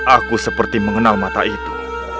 aku seperti mengenal mata itu